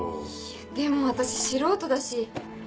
いやでも私素人だし。